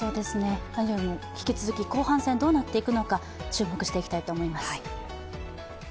何よりも引き続き、後半戦どうなっていくのか注目していきたいと思います。